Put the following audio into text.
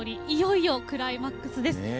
いよいよ、クライマックスです。